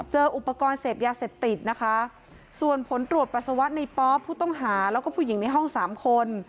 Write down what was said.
เจออุปกรณ์เสพยาเสพติดนะคะส่วนผลตรวจปัสสาวะในป๊อปผู้ต้องหาแล้วก็ผู้หญิงในห้องสามคน